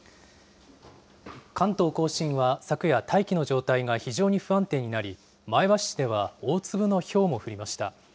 関東甲信は昨夜、大気の状態が非常に不安定になり、前橋市では大粒のひょうも降りました。